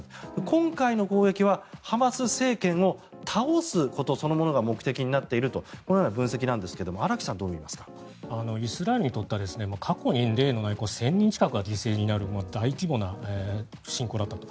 今回の攻撃はハマス政権を倒すことそのものが目的になっているとこのような分析なんですがイスラエルにとっては過去に例のない１０００人近くが犠牲になる大規模な侵攻だったと。